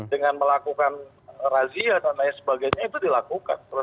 dengan melakukan razia dan lain sebagainya itu dilakukan